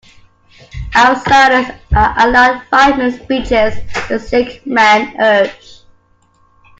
Outsiders are allowed five minute speeches, the sick man urged.